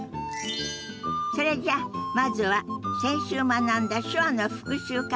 それじゃあまずは先週学んだ手話の復習から始めましょ。